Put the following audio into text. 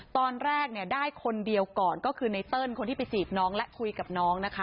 ตอนแรกเนี่ยได้คนเดียวก่อนก็คือไนเติ้ลคนที่ไปจีบน้องและคุยกับน้องนะคะ